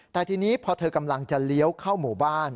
แต่ทีนี้พอเธอกำลังจะเลี้ยวเข้าหมู่บ้าน